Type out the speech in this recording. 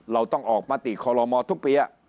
เราต้องออกมาติคอลโลมอทุกปี